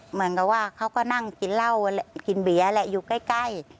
เหมือนกับว่าเขาก็นั่งกินเบียนแหละอยู่ใกล้